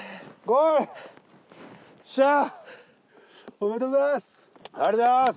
おめでとうございます！